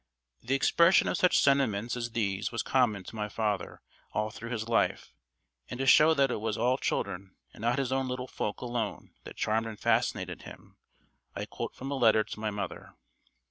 The expression of such sentiments as these was common to my father all through his life, and to show that it was all children and not his own little folk alone that charmed and fascinated him, I quote from a letter to my mother